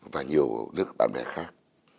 và nhiều nước bạn bè khác